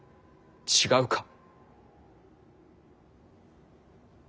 違うか。